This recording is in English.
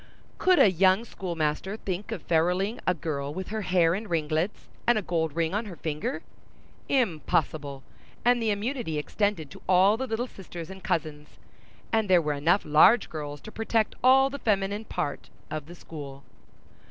Could a young schoolmaster think of feruling a girl with her hair in ringlets and a gold ring on her finger? Impossible—and the immunity extended to all the little sisters and cousins; and there were enough large girls to protect all the feminine part of the school.